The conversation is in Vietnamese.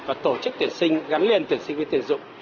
và tổ chức tuyển sinh gắn liền tuyển sinh viên tuyển dụng